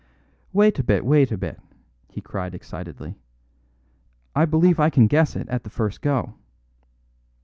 "Wait a bit, wait a bit," he cried excitedly. "I believe I can guess it at the first go."